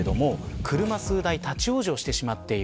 車数台立ち往生してしまっている。